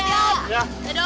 jati om dudung